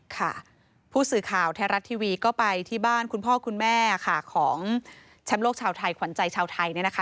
ค่ะผู้สื่อข่าวไทยรัฐทีวีก็ไปที่บ้านคุณพ่อคุณแม่ค่ะของแชมป์โลกชาวไทยขวัญใจชาวไทยเนี่ยนะคะ